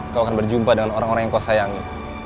kau akan berjumpa dengan orang orang yang kau sayangi